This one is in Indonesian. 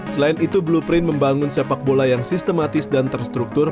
selain itu blueprint membangun sepak bola yang sistematis dan terstruktur